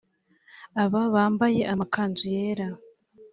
aba bambaye amakanzu yera